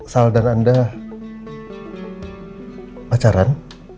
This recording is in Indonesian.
sal dan anda pacaran